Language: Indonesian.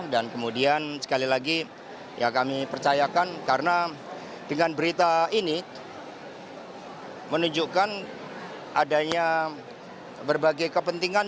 dan kemudian sekali lagi ya kami percayakan karena dengan berita ini menunjukkan adanya berbagai kepentingan